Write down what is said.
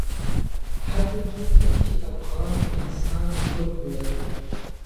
هڅه کېږي چې افغان انسان خپل هويت.